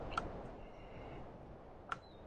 La especie se cree que es polinizada por las aves.